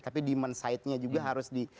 tapi demand side nya juga harus di